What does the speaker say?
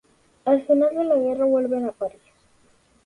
Al final de la guerra vuelven a París.